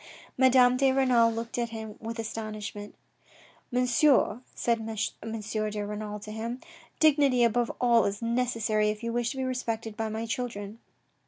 Madame de Renal looked at him with astonishment. " Monsieur," said M. de Renal to him, " dignity above all is necessary if you wish to be respected by my children."